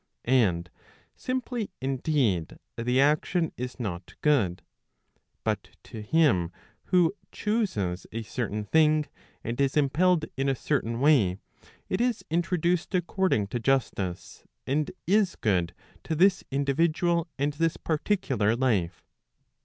And simply indeed, the action is not good, but to him who chuses a certain thing, and is impelled in a certain way, it is introduced according to justice; and is good to this individual and this particular life.